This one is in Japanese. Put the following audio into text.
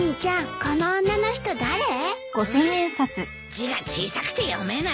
字が小さくて読めない。